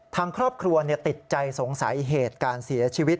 ทางครอบครัวติดใจสงสัยเหตุการณ์เสียชีวิต